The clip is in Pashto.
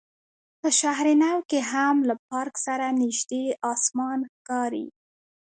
په شهر نو کې هم له پارک سره نژدې اسمان ښکاري.